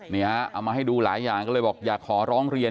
เอามาให้ดูหลายอย่างก็เลยบอกอยากขอร้องเรียน